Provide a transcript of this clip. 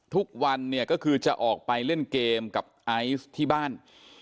ทุกวันเนี่ยก็คือจะออกไปเล่นเกมกับไอซ์ที่บ้าน